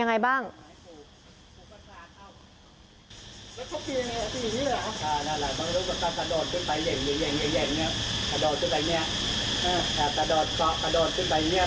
ทั้งหมดนี้คือลูกศิษย์ของพ่อปู่เรศรีนะคะ